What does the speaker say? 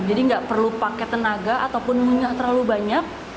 jadi gak perlu pakai tenaga ataupun minyak terlalu banyak